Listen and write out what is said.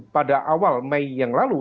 pada awal mei yang lalu